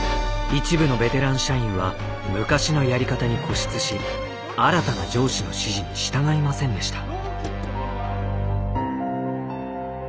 一部のベテラン社員は昔のやり方に固執し新たな上司の指示に従いませんでした。